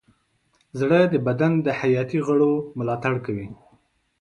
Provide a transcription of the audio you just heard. زړه د بدن د حیاتي غړو ملاتړ کوي.